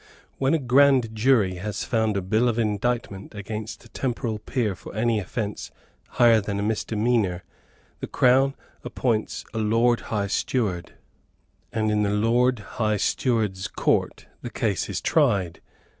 When a grand jury has found a bill of indictment against a temporal peer for any offence higher than a misdemeanour, the Crown appoints a Lord High Steward; and in the Lord High Steward's Court the case is tried.